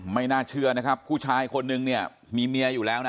ไม่น่าเชื่อนะครับผู้ชายคนนึงเนี่ยมีเมียอยู่แล้วนะ